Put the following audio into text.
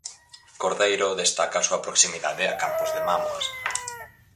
Cordeiro destaca a súa proximidade a campos de mámoas.